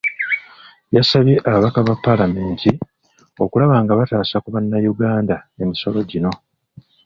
Yasabye ababaka ba Paalamenti okulaba nga bataasa ku bannayuganda emisolo gino.